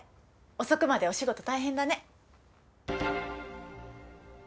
遅くまでお仕事大変だね。